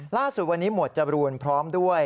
ล่าสุดวันนี้หมวดจรูนพร้อมด้วย